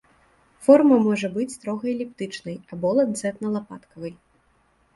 Форма можа быць строга эліптычнай або ланцэтна-лапаткавай.